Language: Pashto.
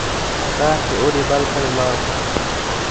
هغه چې اور يې بل کړ، ولاړ.